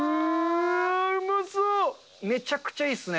めちゃくちゃいいっすね。